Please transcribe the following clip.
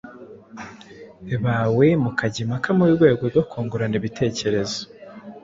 bawe mukajya impaka mu rwego rwo kungurana ibitekerezo.